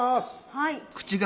はい。